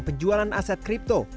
penjualan aset crypto